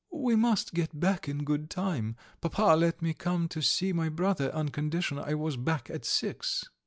"We must get back in good time. Papa let me come to see my brother on condition I was back at six."